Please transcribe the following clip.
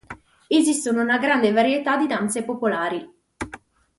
Esistono una grande varietà di danze popolari.